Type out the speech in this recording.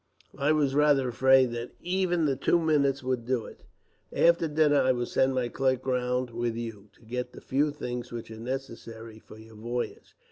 I was rather afraid that even the two minutes would do it. After dinner, I will send my clerk round with you, to get the few things which are necessary for your voyage.